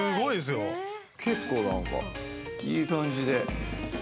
結構なんかいい感じで。